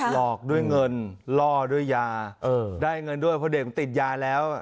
หลอกด้วยเงินล่อด้วยยาได้เงินด้วยเพราะเด็กติดยาแล้ว